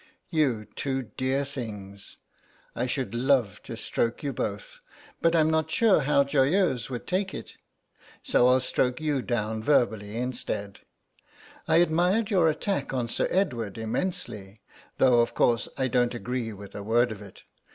"You two dear things, I should love to stroke you both, but I'm not sure how Joyeuse would take it. So I'll stroke you down verbally instead. I admired your attack on Sir Edward immensely, though of course I don't agree with a word of it.